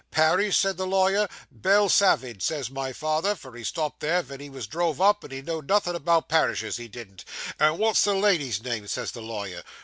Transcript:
"Parish?" says the lawyer. "Belle Savage," says my father; for he stopped there wen he drove up, and he know'd nothing about parishes, he didn't. "And what's the lady's name?" says the lawyer.